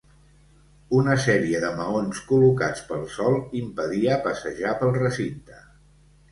Una sèrie de maons col·locats pel sòl impedia passejar pel recinte.